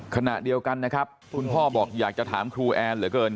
ขณะเดียวกันนะครับคุณพ่อบอกอยากจะถามครูแอนเหลือเกิน